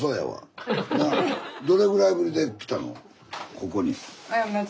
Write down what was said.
ここに。